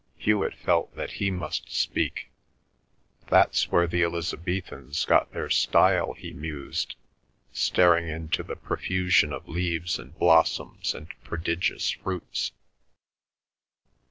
Hewet felt that he must speak. "That's where the Elizabethans got their style," he mused, staring into the profusion of leaves and blossoms and prodigious fruits.